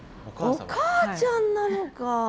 お母ちゃんなのか。